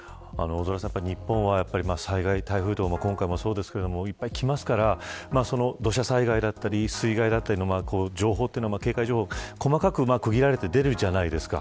日本は災害、台風とかもそうですけどいっぱいきますから土砂災害だったり水害だったり情報は細かく区切られて出るじゃないですか。